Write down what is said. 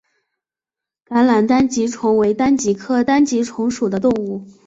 橄榄单极虫为单极科单极虫属的动物。